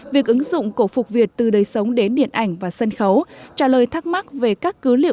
việc ứng dụng cổ phục việt từ đời sống đến điện ảnh và sân khấu trả lời thắc mắc về các cứ liệu